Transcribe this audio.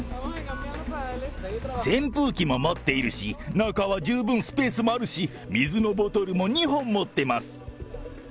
扇風機も持っているし、中は十分スペースもあるし、水のボトルも２本持ってます。